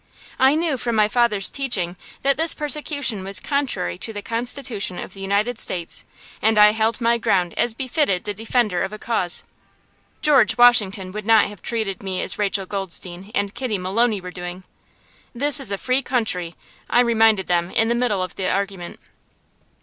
I knew, from my father's teaching, that this persecution was contrary to the Constitution of the United States, and I held my ground as befitted the defender of a cause. George Washington would not have treated me as Rachel Goldstein and Kitty Maloney were doing! "This is a free country," I reminded them in the middle of the argument.